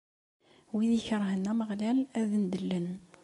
Wid ikerhen Ameɣlal ad ndellen.